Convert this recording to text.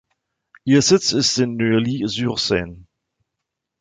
Ihr Sitz ist in Neuilly-sur-Seine.